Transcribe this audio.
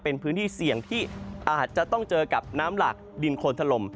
เป็นพื้นที่เสี่ยงที่อาจจะต้องเจอกับน้ำหลักดินโคนถล่ม